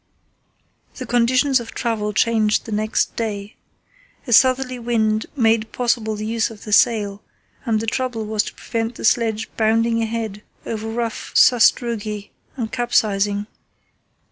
The conditions of travel changed the next day. A southerly wind made possible the use of the sail, and the trouble was to prevent the sledge bounding ahead over rough sastrugi and capsizing.